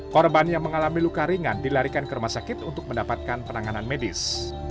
korban yang mengalami luka ringan dilarikan ke rumah sakit untuk mendapatkan penanganan medis